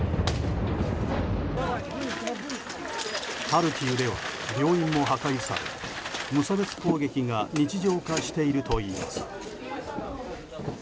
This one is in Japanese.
ハルキウでは病院も破壊され無差別攻撃が日常化しているといいます。